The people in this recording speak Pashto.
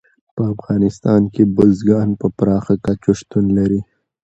په افغانستان کې بزګان په پراخه کچه شتون لري.